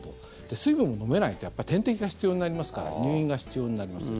水分が飲めないと点滴が必要になりますから入院が必要になります。